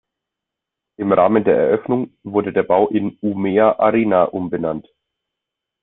Im Rahmen der Eröffnung wurde der Bau in "Umeå Arena" umbenannt.